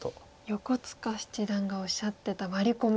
横塚七段がおっしゃってたワリコミ。